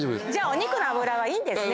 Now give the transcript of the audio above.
お肉の脂はいいんですね。